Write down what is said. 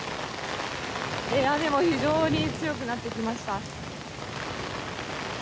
雨も非常に強くなってきました。